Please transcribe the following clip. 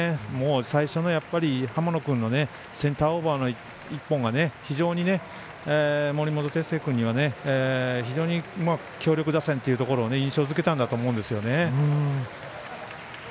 最初の浜野君のセンターオーバーの１本が非常に森本哲星君には強力打線というのを印象づけたんだと思いますね。